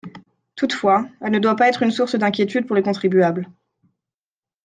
Toutefois, elle ne doit pas être une source d’inquiétude pour les contribuables.